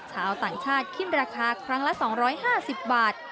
ชาวต่างชาติขึ้นราคาครั้งละ๒๕๐บาท